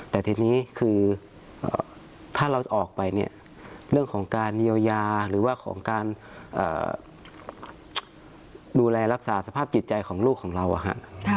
แต่ทีนี้คือถ้าเราจะออกไปเนี่ยเรื่องของการเยียวยาหรือว่าของการดูแลรักษาสภาพจิตใจของลูกของเราอะฮะ